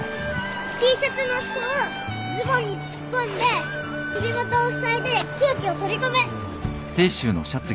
Ｔシャツの裾をズボンに突っ込んで首元をふさいで空気を取り込む。